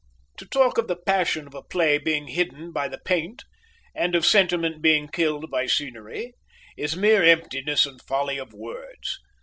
To talk of the passion of a play being hidden by the paint, and of sentiment being killed by scenery, is mere emptiness and folly of words.